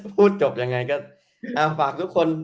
พูดจบยังไงก็ฝากทุกคน